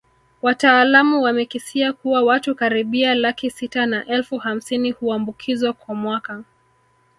Wataalamu wamekisia kuwa watu karibia laki sita na elfu hamsini huambukizwa kwa mwaka